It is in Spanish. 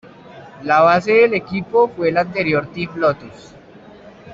La base del equipo fue el anterior Team Lotus.